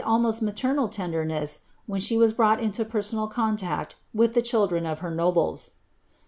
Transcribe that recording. almost maternal tenderness, when she was brought into persona] conuri with the children of her nobles.